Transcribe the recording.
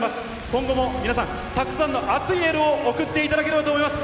今後も皆さん、たくさんの熱いエールを送っていただければと思います。